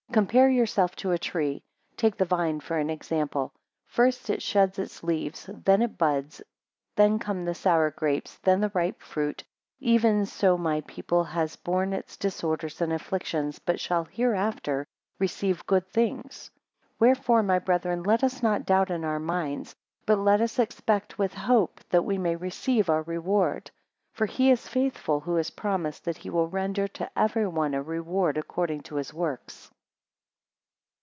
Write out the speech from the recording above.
compare yourselves to a tree; take the vine for an example. First it sheds its leaves, then it buds, then come the sour grapes, then the ripe fruit; even so my people has borne its disorders and afflictions, but shall hereafter receive good things. 13 Wherefore my brethren, let us not doubt in our minds, but let us expect with hope, that we may receive our reward; for he is faithful, who has promised that he will render to everyone a reward according to his works.